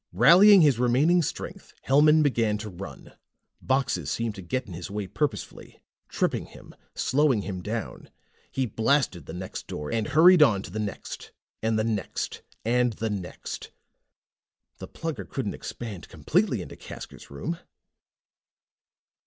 Rallying his remaining strength, Hellman began to run. Boxes seemed to get in his way purposefully, tripping him, slowing him down. He blasted the next door and hurried on to the next. And the next. And the next. The Plugger couldn't expand completely into Casker's room!